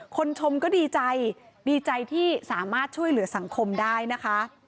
ชมก็ดีใจดีใจที่สามารถช่วยเหลือสังคมได้นะคะ